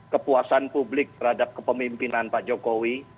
kepuasan publik terhadap kepemimpinan pak jokowi